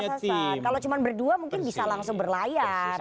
kalau cuma berdua mungkin bisa langsung berlayar